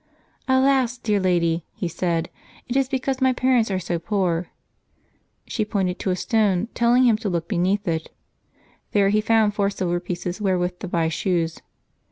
"Alas! dear Lady," he said, "it is because my parents are so poor." She pointed to a stone, telling him to look beneath it; there he found four silver pieces wherewith to buy shoes.